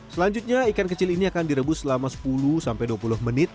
selanjutnya ikan kecil ini akan direbus selama sepuluh sampai dua puluh menit